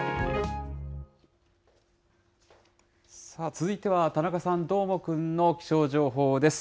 続いては田中さん、どーもくんの気象情報です。